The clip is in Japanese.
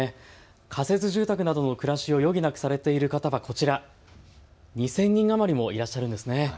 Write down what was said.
仮設住宅などの暮らしを余儀なくされている方がこちら、２０００人余りもいらっしゃるんですね。